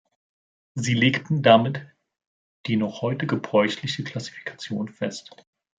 Sie legten damit die noch heute gebräuchliche Klassifikation fest.